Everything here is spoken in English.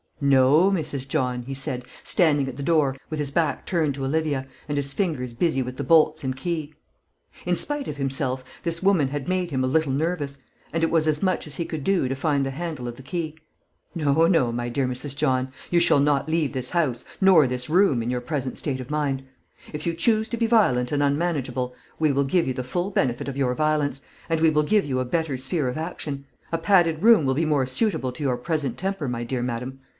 "No, Mrs. John," he said, standing at the door, with his back turned to Olivia, and his fingers busy with the bolts and key. In spite of himself, this woman had made him a little nervous, and it was as much as he could do to find the handle of the key. "No, no, my dear Mrs. John; you shall not leave this house, nor this room, in your present state of mind. If you choose to be violent and unmanageable, we will give you the full benefit of your violence, and we will give you a better sphere of action. A padded room will be more suitable to your present temper, my dear madam.